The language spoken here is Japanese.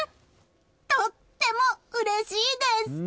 とってもうれしいです！